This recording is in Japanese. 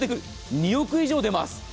２億以上出ます。